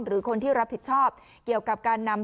หรือคนที่รับผิดชอบเกี่ยวกับการนำ